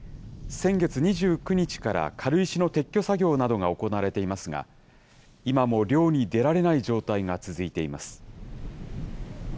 先月２９日から軽石の撤去作業などが行われていますが、今も漁に出られない状態が続いています。